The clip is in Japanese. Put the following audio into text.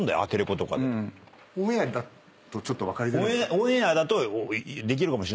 オンエアだとできるかもしれないけど。